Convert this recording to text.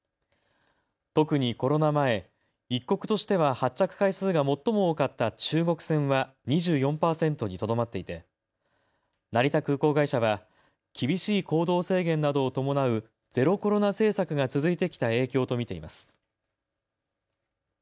特にコロナ前、一国としては発着回数が最も多かった中国線は２４％にとどまっていて成田空港会社は厳しい行動制限などを伴うゼロコロナ政策が続いてきた影響と見ています。